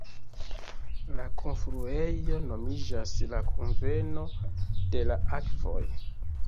La kunfluejo nomiĝas "la kunveno de la akvoj".